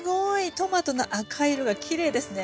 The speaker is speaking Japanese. トマトの赤い色がきれいですね。